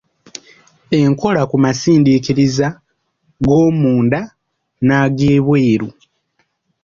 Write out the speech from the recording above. Enkola ku masindiikiriza g’omunda n’ag’ebweru